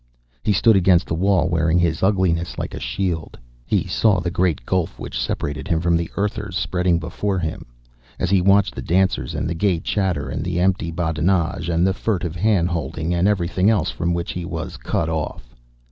He stood against the wall, wearing his ugliness like a shield. He saw the great gulf which separated him from the Earthers spreading before him, as he watched the dancers and the gay chatter and the empty badinage and the furtive hand holding, and everything else from which he was cut off.